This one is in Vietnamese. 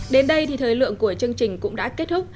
đến đây thì thời lượng của chương trình cũng đã kết thúc